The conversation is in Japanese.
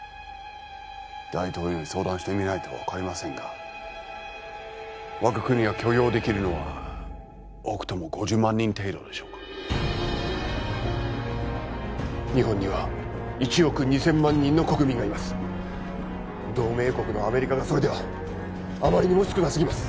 大統領に相談してみないと分かりませんが我が国が許容できるのは多くとも５０万人程度でしょうか日本には１億２千万人の国民がいます同盟国のアメリカがそれではあまりにも少なすぎます